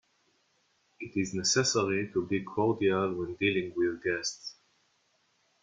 It is necessary to be cordial when dealing with guests.